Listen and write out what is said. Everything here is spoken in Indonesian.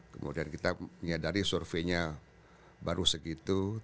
kemudian kita menyadari surveinya baru segitu